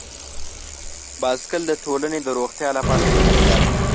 بایسکل د ټولنې د روغتیا لپاره ښه وسیله ده.